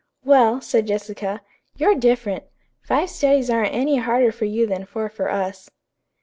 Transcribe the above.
"Well," said Jessica, "you're different. Five studies aren't any harder for you than four for us."